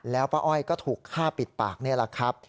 แล้วป้าอ้อยก็ถูกฆ่าปิดปากนี่แหละครับ